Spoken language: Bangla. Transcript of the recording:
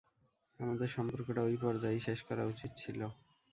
আমাদের সম্পর্কটা ঐ পর্যায়েই শেষ করা উচিত ছিল।